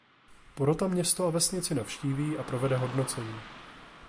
Porota město a vesnici navštíví a provede hodnocení.